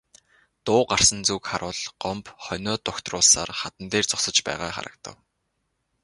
Дуу гарсан зүг харвал Гомбо хонио дугтруулсаар хадан дээр зогсож байгаа харагдав.